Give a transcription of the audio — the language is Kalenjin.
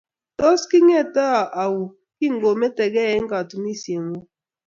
Tos, kingete au kingometegei eng katunishiengwong?